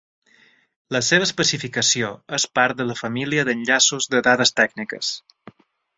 La seva especificació es part de la família d'Enllaços de Dades Tècniques.